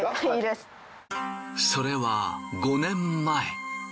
それは５年前。